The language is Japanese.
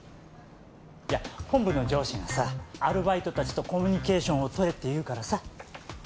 いや本部の上司がさアルバイトたちとコミュニケーションをとれって言うからさ。